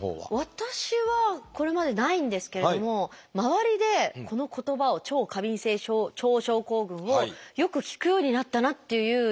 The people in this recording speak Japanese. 私はこれまでないんですけれども周りでこの言葉を「過敏性腸症候群」をよく聞くようになったなっていう印象がありますね。